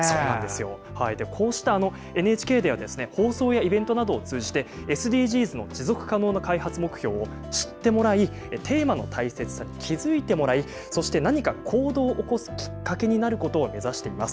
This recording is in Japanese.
こうした、ＮＨＫでは放送やイベントなどを通じてＳＤＧｓの持続可能な開発目標を知ってもらいテーマの大切さに気付いてもらいそして、何か行動を起こすきっかけになることを目指しています。